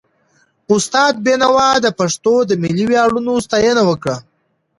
استاد بينوا د پښتنو د ملي ویاړونو ستاینه وکړه.